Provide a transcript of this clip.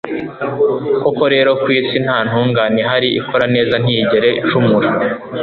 koko rero, ku isi nta ntungane ihari ikora neza ntiyigere icumura